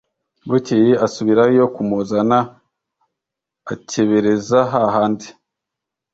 Bukeye asubirayo kumuzana akebereza ha handi